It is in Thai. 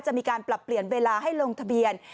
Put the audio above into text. จะมีการปรับเปลี่ยนเวลาให้ลงทะเบียน